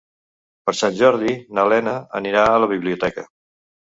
Per Sant Jordi na Lena anirà a la biblioteca.